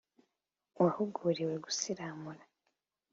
wahuguriwe gusiramura